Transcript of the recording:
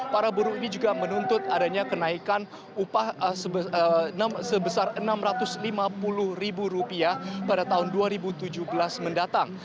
para buruh ini juga menuntut adanya kenaikan upah sebesar rp enam ratus lima puluh pada tahun dua ribu tujuh belas mendatang